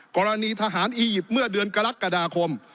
กรณีทหารอียิปต์เมื่อเดือนกรกฎาคม